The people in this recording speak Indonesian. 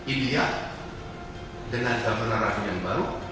india dengan governor raffi yang baru